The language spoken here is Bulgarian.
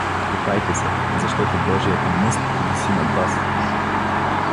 — Покайте се, защото божията мъст виси над вас!